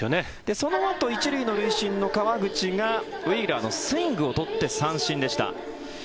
そのあと１塁の塁審の川口がウィーラーのスイングを取って三振でした。